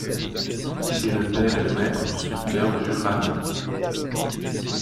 Il est le père et le maître du sculpteur Jules Ramey.